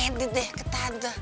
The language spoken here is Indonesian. kedit deh ke tante